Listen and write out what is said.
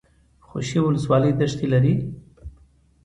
خوشي ولسوالۍ دښتې لري؟